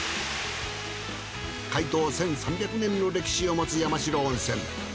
開湯１，３００年の歴史を持つ山代温泉。